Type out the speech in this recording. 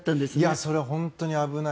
それは本当に危ない。